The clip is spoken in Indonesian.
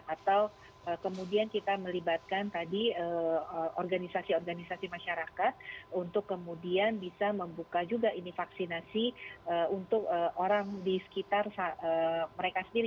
atau kemudian kita melibatkan tadi organisasi organisasi masyarakat untuk kemudian bisa membuka juga ini vaksinasi untuk orang di sekitar mereka sendiri